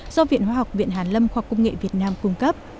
do viện hoa học viện hàn lâm khoa công nghệ việt nam cung cấp